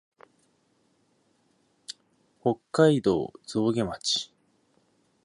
北海道増毛町